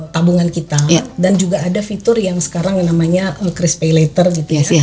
tabungan kita dan juga ada fitur yang sekarang yang namanya cris pay later gitu ya